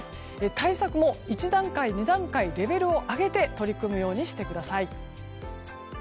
対策も１段階、２段階レベルを上げて取り組むようにしてください。